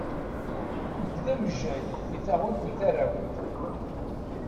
Nekk d amejjay di taɣult n tarrawt.